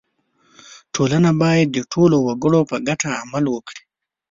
• ټولنه باید د ټولو وګړو په ګټه عمل وکړي.